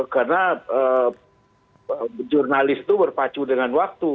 karena jurnalis itu berpacu dengan waktu